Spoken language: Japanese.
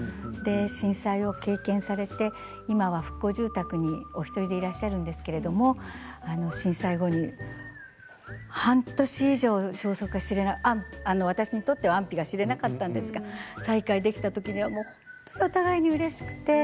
震災を経験されて今は復興住宅にお一人でいらっしゃるんですが震災後、半年以上私にとっては安否が知れなかったんですが再会できたときには本当にお互いにうれしくて。